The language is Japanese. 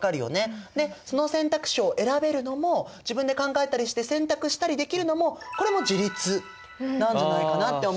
でその選択肢を選べるのも自分で考えたりして選択したりできるのもこれも自立なんじゃないかなって思うんだけど。